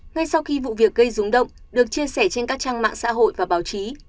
ngay sau khi vụ việc gây rúng động được chia sẻ trên các trang mạng xã hội và báo chí